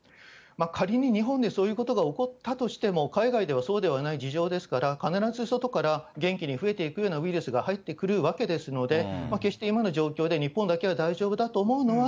仮に日本にそういうことが起こったとしても、海外ではそうではない事情ですから、必ず外から元気に増えていくようなウイルスが入ってくるわけですので、決して今の状況で、日本だけは大丈夫だと思うのは、